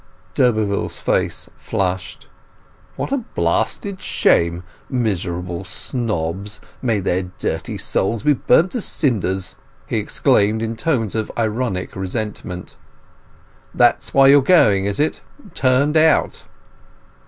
D'Urberville's face flushed. "What a blasted shame! Miserable snobs! May their dirty souls be burnt to cinders!" he exclaimed in tones of ironic resentment. "That's why you are going, is it? Turned out?"